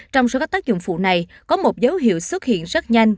trong số các tác dụng phụ này có một dấu hiệu xuất hiện rất nhanh